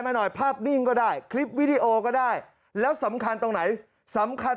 มาหน่อยภาพนิ่งก็ได้คลิปวิดีโอก็ได้แล้วสำคัญตรงไหนสำคัญ